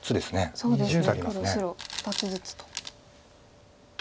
そうですね黒白２つずつと。